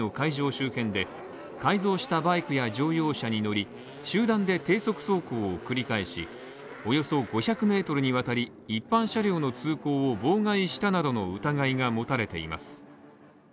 周辺で改造したバイクや乗用車に乗り、集団で低速走行を繰り返し、およそ５００ｍにわたり一般車両の通行を妨害したなどの疑いが持たれています。